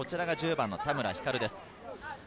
１０番は田村煕です。